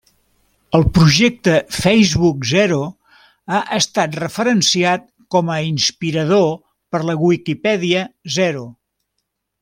El projecte Facebook Zero ha estat referenciat com a inspirador per la Viquipèdia Zero.